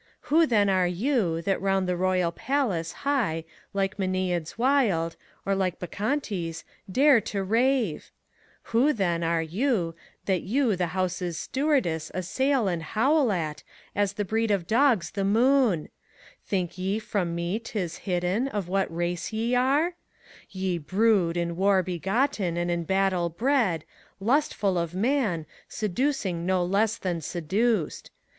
Who, then, are you, that round the Royal Palace high Like Mamads wild, or like Bacchantes, dare to ravet Who, then, are you, that you the House's stewardess Assail and hoid at, as the breed of dogs the moont Think ye from me 't is hidden, of what race ye areT Ye brood, in war b^;otten and in battle bred, Lustful of man, seducing no less than seduced.